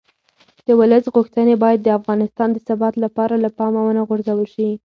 د ولس غوښتنې باید د افغانستان د ثبات لپاره له پامه ونه غورځول شي